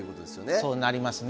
そうなりますね。